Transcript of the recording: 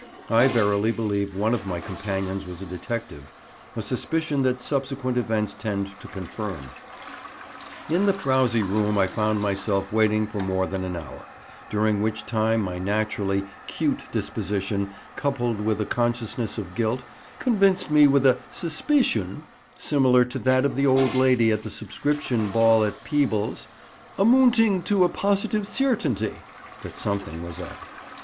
I verily believe one of my companions was a detective, a suspicion that subsequent events tend to confirm. In the frowzy room I found myself waiting for more than an hour, during which time my naturally 'cute disposition, coupled with a consciousness of guilt, convinced me with a "suspeeciun" similar to that of the old lady at the subscription ball at Peebles, "amoonting to a positive ceertainty" that something was up.